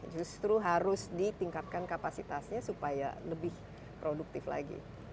justru harus ditingkatkan kapasitasnya supaya lebih produktif lagi